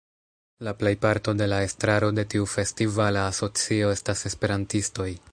La plejparto de la estraro de tiu festivala asocio estas Esperantistoj.